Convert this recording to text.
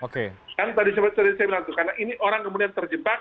karena ini orang kemudian terjebak